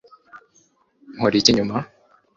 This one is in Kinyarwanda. nkore iki nyuma